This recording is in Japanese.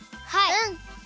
うん！